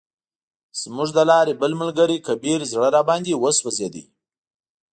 زموږ د لارې بل ملګری کبیر زړه راباندې وسوځید.